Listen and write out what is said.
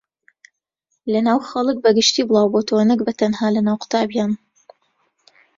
لەناو خەڵک بەگشتی بڵاوبۆتەوە نەک بەتەنها لەناو قوتابییان